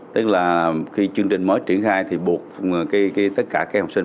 tức là khi chương trình mới triển khai thì buộc tất cả các học sinh